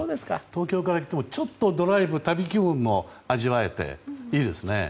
東京から行くとちょっとドライブ旅気分も味わえていいですね。